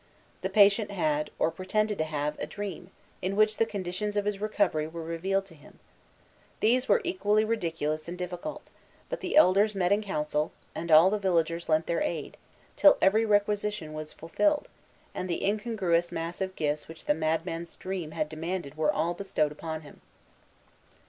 The patient had, or pretended to have, a dream, in which the conditions of his recovery were revealed to him. These were equally ridiculous and difficult; but the elders met in council, and all the villagers lent their aid, till every requisition was fulfilled, and the incongruous mass of gifts which the madman's dream had demanded were all bestowed upon him.